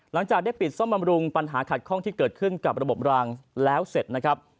หลังจากได้ปิดซ่อมบำรุงปัญหาขัดข้องที่เกิดขึ้นกับระบบรางแล้วเสร็จนะครับ